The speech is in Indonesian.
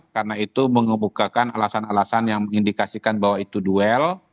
karena itu mengebukakan alasan alasan yang mengindikasikan bahwa itu duel